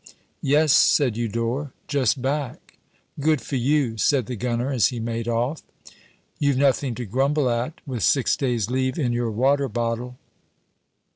"Yes," said Eudore; "just back." "Good for you," said the gunner as he made off. "You've nothing to grumble at with six days' leave in your water bottle!"